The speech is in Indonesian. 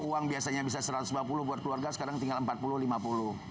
uang biasanya bisa rp satu ratus lima puluh buat keluarga sekarang tinggal rp empat puluh lima puluh